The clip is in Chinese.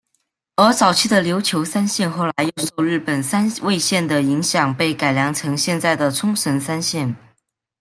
而早期的琉球三线后来又受日本三味线的影响被改良成现在的冲绳三线。